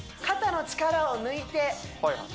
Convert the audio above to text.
肩の力を抜いてはい